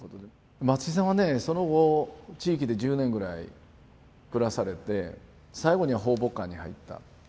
松井さんはねその後地域で１０年ぐらい暮らされて最後には抱樸館に入った。